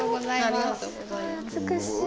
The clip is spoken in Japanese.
すごい美しい。